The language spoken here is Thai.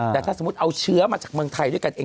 แต่ถ้าสมมุติเอาเชื้อมาจากเมืองไทยด้วยกันเอง